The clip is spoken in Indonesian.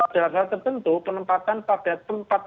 dalam hal tertentu penempatan pada tempat